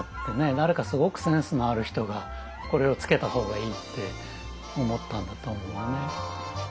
誰かすごくセンスのある人がこれをつけた方がいいって思ったんだと思うのね。